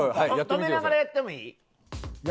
止めながらやってもいい？